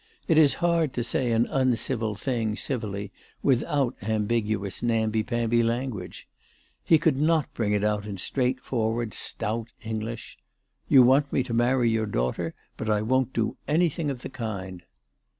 It is hard to say an uncivil thing civilly without ambiguous namby pamby language. He could not bring it out in straight forward stout English :" You want me to marry your daughter, but I won't do anything of the kind."